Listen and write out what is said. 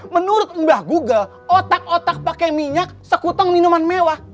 menurut mbah google otak otak pakai minyak sekutong minuman mewah